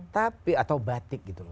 tapi atau batik gitu loh